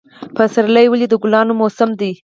پسرلی ولې د ګلانو موسم دی؟